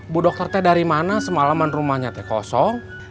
bu dokter teh dari mana semalaman rumahnya teh kosong